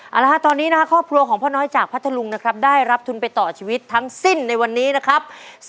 เอาละฮะตอนนี้นะครับครอบครัวของพ่อน้อยจากพัทธลุงนะครับได้รับทุนไปต่อชีวิตทั้งสิ้นในวันนี้นะครับ